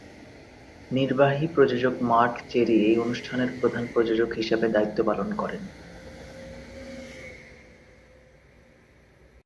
নির্বাহী প্রযোজক Marc Cherry এই অনুষ্ঠানের প্রধান প্রযোজক হিসেবে দায়িত্ব পালন করেন।